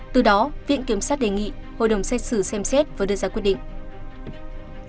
từ đó viện kiểm sát đề nghị hội đồng xét xử xem xét và đưa ra quyết định